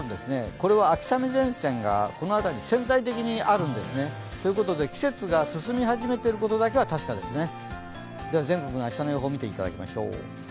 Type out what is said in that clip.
これは秋雨前線がこの辺りに潜在的にあるんですね。ということで季節が進み始めていることだけは確かですね。